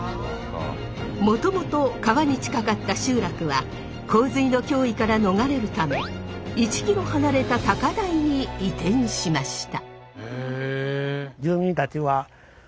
もともと川に近かった集落は洪水の脅威から逃れるため１キロ離れた高台に移転しました。